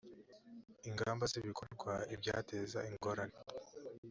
ingamba z ibikorwa ibyateza ingorane